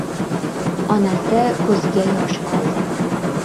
Onasi ko‘ziga yosh oldi.